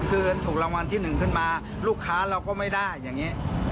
คือถูกรางวัลที่๑ขึ้นมาลูกค้าเราก็ไม่ได้อย่างนี้